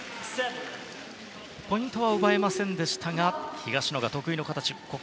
ポイントは奪えませんでしたが東野が得意の形。